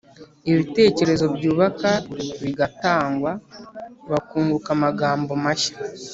ibitekerezo byubaka bigatangwa, bakunguka amagambo mashya.